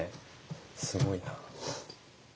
すごいな。